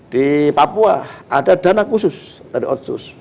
di papua ada dana khusus dari otsus